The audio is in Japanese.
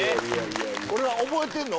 これは覚えてんの？